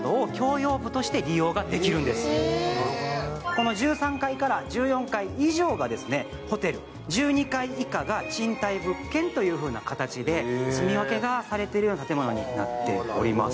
この１３階から１４階以上がホテル、１２階以下が賃貸物件という形で住み分けがされている建物になっております。